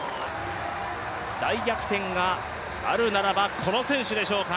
大逆転があるならばこの選手でしょうか。